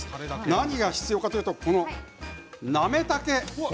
何が必要かというと、なめたけ。